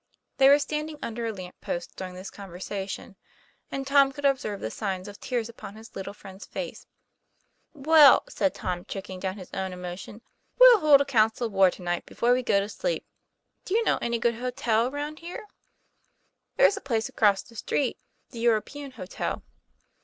They were standing under a lamp post during this conversation and Tom could observe the signs of tears upon his little friend's face. " Well," said Tom, choking down his own emotion, " we'll hold a council of war to night before we go to sleep. Do you know any good hotel around here ?' "There's a place across the street, the European Hotel."